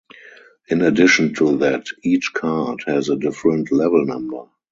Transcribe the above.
In addition to that, each card has a different level number.